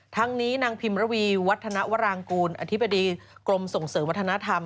ทั้งนี้นางพิมระวีวัฒนวรางกูลอธิบดีกรมส่งเสริมวัฒนธรรม